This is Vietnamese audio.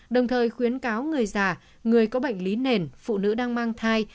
đồng thời khuyến cáo người già người có bệnh lý nền phụ nữ đang mang thai